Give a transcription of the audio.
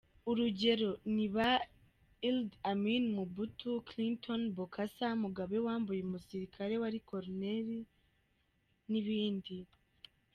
Urugero ni ba Idi Amin, Mobutu, Clinton, Bokasa, Mugabe wambuye umusirikare wali Colonel, etc.